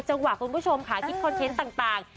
จังหวะคุณผู้ชมค่ะคิดคอนเทนต์ต่าง